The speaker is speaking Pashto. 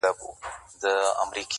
تا ولې دفاع د لنډغرو شروع کړه